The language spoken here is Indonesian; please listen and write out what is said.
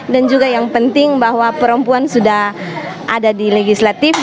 dan juga yang penting bahwa perempuan sudah ada di legislatif